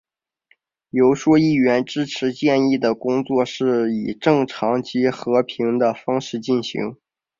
游说议员支持建议的工作是以正常及和平的方法进行。